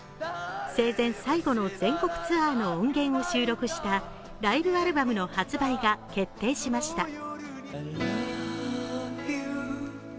生前最後の全国ツアーの音源を収録したライブアルバムの発売が決定しました。